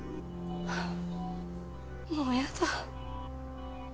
もうやだ。